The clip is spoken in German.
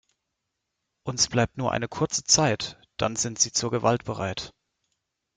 Uns bleibt nur eine kurze Zeit, dann sind sie zur Gewalt bereit.